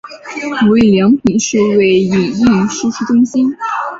无印良品数位影印输出中心